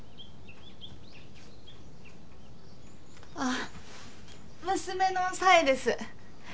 あ娘の紗衣です。